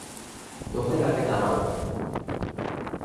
দোহাই লাগে দাড়াও।